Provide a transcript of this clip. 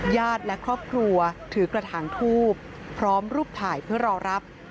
ญาติและครอบครัวถือกระถางทูบพร้อมรูปถ่ายเพื่อรอรับ